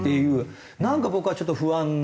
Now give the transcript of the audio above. なんか僕はちょっと不安な。